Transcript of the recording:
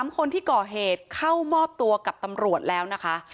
๓คนที่ก่อเหตุเข้ามอบตัวกับตำรวจแล้วนะคะ